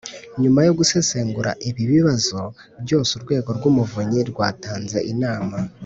Nyuma yo gusesengura ibi bibazo byose Urwego rw Umuvunyi rwatanze inama